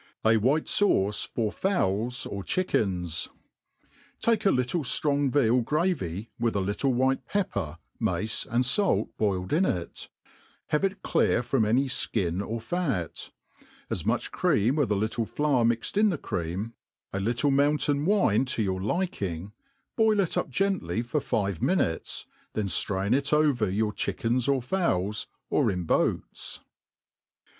A White Sauce for Fowls or Chickenu TAKE a little ftrong veal gravy, with a little white pep^ per, mace, and fait, boiled in it; have it clear from any flciii or fat ; as much cream, with a little flour mixed in the cream, a little mountain wine to your liking ; boil it up gently for five muntes, then flrain it over your chickens or fowls, or ia boats.